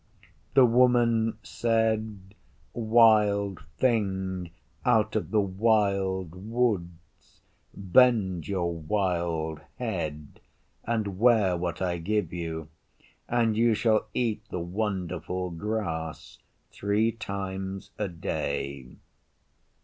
The Woman said, 'Wild Thing out of the Wild Woods, bend your wild head and wear what I give you, and you shall eat the wonderful grass three times a day.